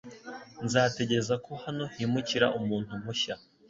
Nzategereza ko hano himukira umuntu mushya .